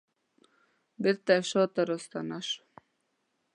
بیرته شاته راستنه شوم